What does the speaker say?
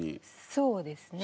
そうですね。